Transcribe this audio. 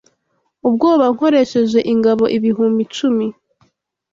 ubwoba Nkoresheje ingabo ibihumbi icumi